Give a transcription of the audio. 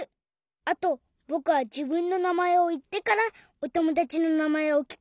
あとぼくはじぶんのなまえをいってからおともだちのなまえをきく！